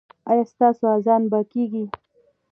ایا ستاسو اذان به کیږي؟